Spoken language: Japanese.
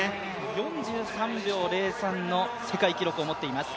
４３秒０３の世界記録を持っています。